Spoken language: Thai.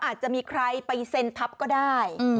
อาจจะมีใครไปเซ็นทับก็ได้